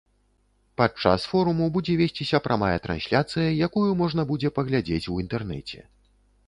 Падчас форуму будзе весціся прамая трансляцыя, якую можна будзе паглядзець у інтэрнэце.